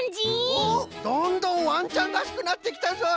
おっどんどんわんちゃんらしくなってきたぞい！